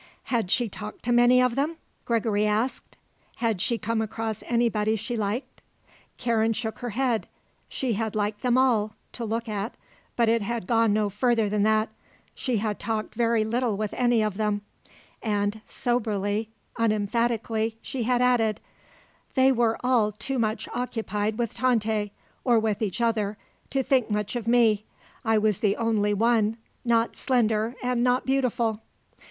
Had she talked to many of them? Gregory asked. Had she come across anybody she liked? Karen shook her head. She had liked them all to look at but it had gone no further than that; she had talked very little with any of them; and, soberly, unemphatically, she had added: "They were all too much occupied with Tante or with each other to think much of me. I was the only one not slender and not beautiful!"